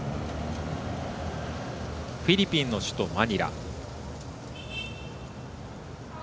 フィリピンの首都マニラ。